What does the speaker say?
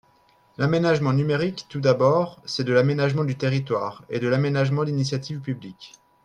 L’aménagement numérique, tout d’abord, c’est de l’aménagement du territoire, et de l’aménagement d’initiative publique.